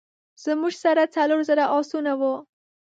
زموږ سره څلور زره آسونه وه.